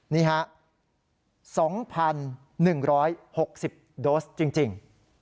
นี่ฮะ๒๑๖๐โดสจริง